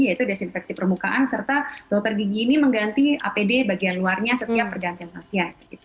yaitu desinfeksi permukaan serta dokter gigi ini mengganti apd bagian luarnya setiap pergantian pasien